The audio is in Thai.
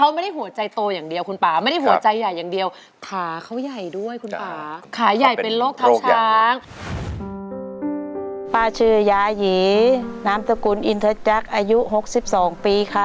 ป้าชื่อยาหยีนามตระกุลอินเทอร์จักรอายุ๖๒ปีค่ะ